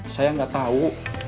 saya gak tahu